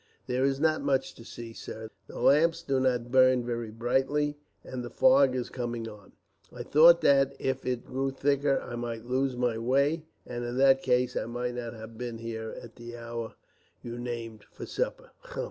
"There is not much to see, sir. The lamps do not burn very brightly, and the fog is coming on. I thought that, if it grew thicker, I might lose my way, and in that case I might not have been in at the hour you named for supper."